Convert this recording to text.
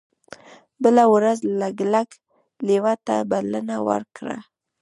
بله ورځ لګلګ لیوه ته بلنه ورکړه.